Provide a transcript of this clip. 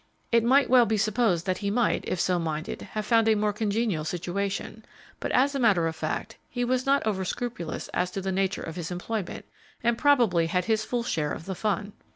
It might well be supposed that he might, if so minded, have found a more congenial situation, but as a matter of fact, he was not over scrupulous as to the nature of his employment, and probably had his full share of the fun.